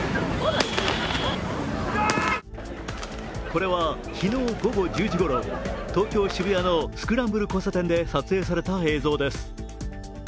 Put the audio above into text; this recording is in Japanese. これは昨日午後１０時ごろ、東京・渋谷のスクランブル交差点で撮影された映像です。